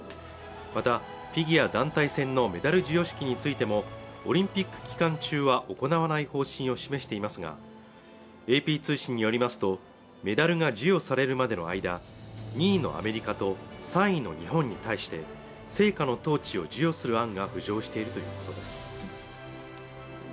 またフィギュア団体戦のメダル授与式についてもオリンピック期間中は行わない方針を示していますがＡＰ通信によりますとメダルが授与されるまでの間２位のアメリカと３位の日本に対して聖火のトーチを授与する案が浮上しているということです